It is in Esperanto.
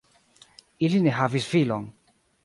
Ili ne havis filon.